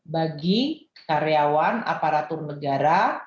bagi karyawan aparatur negara